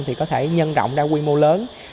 thì có thể nhân rộng ra quy mô lớn